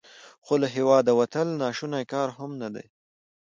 خو له هیواده وتل ناشوني کار هم نه دی.